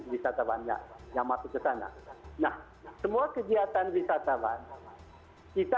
wisatawannya yang masuk ke sana nah semua kegiatan wisatawan kita